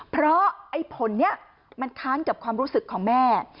เพราะไอ้ผลนี้มันค้านกับความรู้สึกของแม่